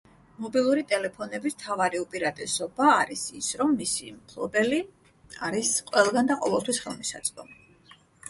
მობილური ტელეფონების მთავარი უპირატესობა არის ის, რომ მისი მფლობელი არის ყველგან და ყოველთვის ხელმისაწვდომი.